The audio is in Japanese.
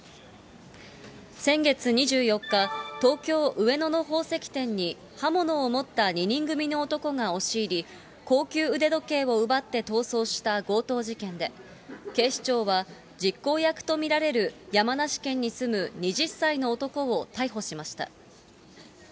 先月２４日、東京・上野の宝石店に刃物を持った２人組の男が押し入り、高級腕時計を奪って逃走した強盗事件で、警視庁は実行役と見られる山梨県に住む２０歳の男を逮捕しました。